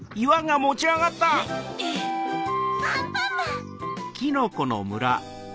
アンパンマン！